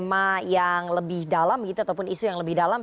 tidak ada tema yang lebih dalam gitu ataupun isu yang lebih dalam